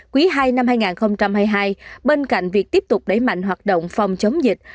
quý ii năm hai nghìn hai mươi hai bên cạnh việc tiếp tục đẩy mạnh hoạt động phòng chống dịch